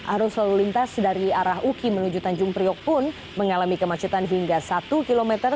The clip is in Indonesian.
arus lalu lintas dari arah uki menuju tanjung priok pun mengalami kemacetan hingga satu km